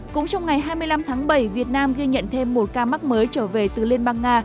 cũng trong ngày hai mươi năm tháng bảy việt nam ghi nhận thêm một ca mắc mới trở về từ liên bang nga